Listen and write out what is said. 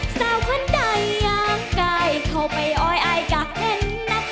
แต่ว่าใดยังไกลเข้าไปอ้อยอ้ายกะเห็นนะ